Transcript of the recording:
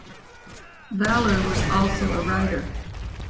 Valor was also a writer.